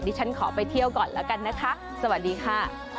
ฉันขอไปเที่ยวก่อนแล้วกันนะคะสวัสดีค่ะ